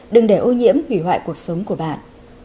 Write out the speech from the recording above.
đừng để ô nhiễm hủy hoại cuộc sống của bạn